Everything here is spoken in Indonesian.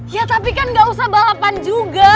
ya tapi kan gak usah balapan juga